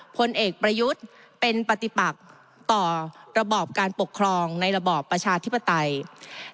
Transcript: พลเอกประยุทธ์เป็นปฏิปักต่อระบอบการปกครองในระบอบประชาธิปไตย